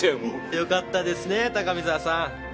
よかったですね高見沢さん！